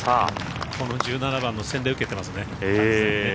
この１７番の洗礼受けてますね。